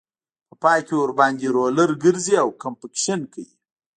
په پای کې ورباندې رولر ګرځي او کمپکشن کوي